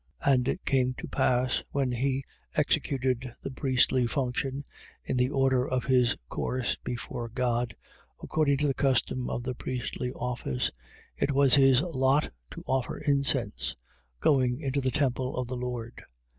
1:8. And it came to pass, when he executed the priestly function in the order of his course before God, 1:9. According to the custom of the priestly office, it was his lot to offer incense, going into the temple of the Lord.